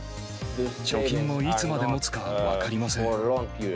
貯金もいつまでもつか分かりません。